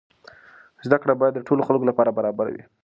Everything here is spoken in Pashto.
زده کړه باید د ټولو خلکو لپاره برابره وي.